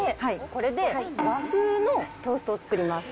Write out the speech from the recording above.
これで和風のトーストを作ります。